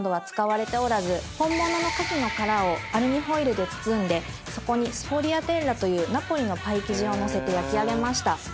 本物の牡蠣の殻をアルミホイルで包んでそこにスフォリアテッラというナポリのパイ生地を載せて焼き上げました。